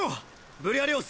ブリアレオス！